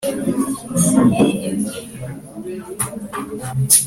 Uburyo Buciriritse agomba kubisobanura mu nyandiko